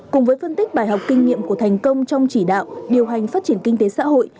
cùng với phân tích bài học kinh nghiệm của thành công trong chỉ đạo điều hành phát triển kinh tế xã hội